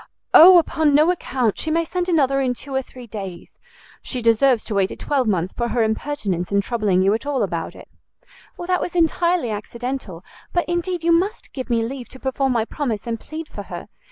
"O upon no account! She may send another in two or three days. She deserves to wait a twelvemonth for her impertinence in troubling you at all about it." "That was entirely accidental: but indeed you must give me leave to perform my promise and plead for her.